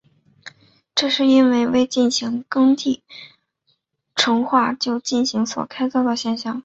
这是因为未进行耕地重划就进行开发所造成的现象。